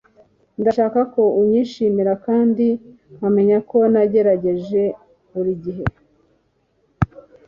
ndashaka ko unyishimira kandi nkamenya ko nagerageje buri gihe